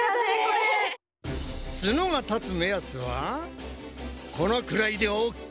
ツノが立つ目安はこのくらいでＯＫ！